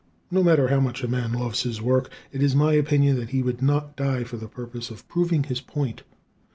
No matter how much a man loves his work it is my opinion that he would not die for the purpose of proving his point.